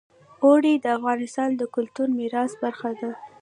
اوړي د افغانستان د کلتوري میراث برخه ده.